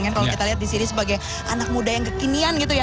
kalau kita lihat disini sebagai anak muda yang kekinian gitu ya